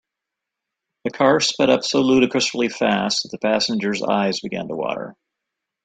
The car sped up so ludicrously fast that the passengers eyes began to water.